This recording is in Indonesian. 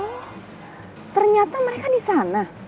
oh ternyata mereka di sana